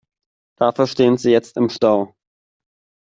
Dafür stehen sie jetzt im Stau.